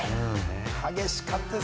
激しかったです。